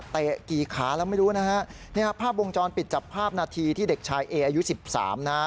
กี่ขาแล้วไม่รู้นะฮะเนี่ยภาพวงจรปิดจับภาพนาทีที่เด็กชายเออายุสิบสามนะฮะ